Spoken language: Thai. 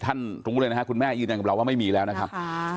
ท่านรู้เลยนะครับคุณแม่ยืนยันกับเราว่าไม่มีแล้วนะครับ